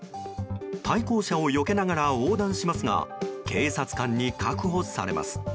対向車をよけながら横断しますが警察官に確保されます。